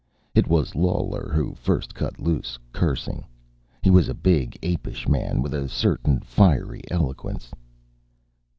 It was Lawler who first cut loose, cursing. He was a big, apish man, with a certain fiery eloquence.